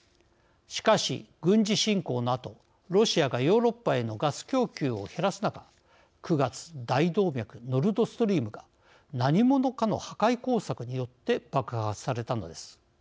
しかし軍事侵攻のあとロシアがヨーロッパへのガス供給を減らす中９月、大動脈ノルドストリームが何者かの破壊工作によって爆破されたのです。